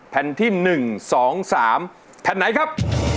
แผ่นที่๑๒๓แผ่นไหนครับ